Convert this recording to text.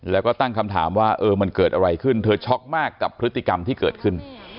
แล้วก็ตั้งคำถามว่าเออมันเกิดอะไรขึ้นเธอช็อกมากกับพฤติกรรมที่เกิดขึ้น